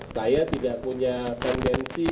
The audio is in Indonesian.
saya tidak punya tendensi